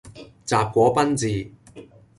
什果賓治